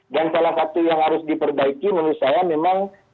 dan salah satu yang harus diperbaiki menurut saya memang